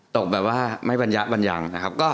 ตกไม่บัญญาบัญญัง